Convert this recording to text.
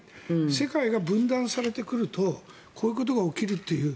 世界が分断されてくるとこういうことが起きるという。